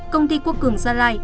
công ty quốc cường gia lai